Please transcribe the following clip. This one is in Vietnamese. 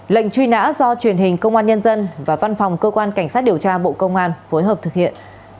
lệnh truy nã do truyền hình công an nhân dân và văn phòng cơ quan cảnh sát điều tra bộ công an phối hợp thực hiện